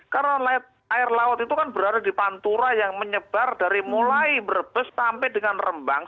karena air laut itu kan berada di pantura yang menyebar dari mulai merebes sampai dengan rembang